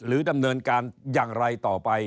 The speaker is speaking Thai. ดำเนินการอย่างไรต่อไป